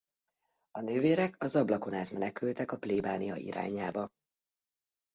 A nővérek az ablakon át menekültek a plébánia irányába.